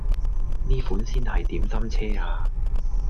呢款先係點心車呀